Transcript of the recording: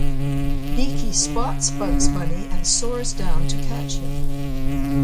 Beaky spots Bugs Bunny and soars down to catch him.